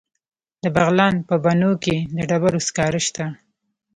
د بغلان په بنو کې د ډبرو سکاره شته.